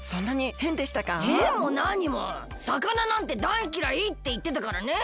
へんも何も魚なんてだいきらいっていってたからねえ。